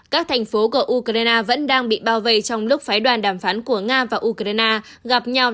các thành phố của ukraine vẫn đang bị bao vây trong lúc phái đoàn đàm phán của nga và ukraine gặp nhau